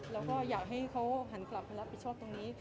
แล้วก็อยากให้เขาหันกลับมารับผิดชอบตรงนี้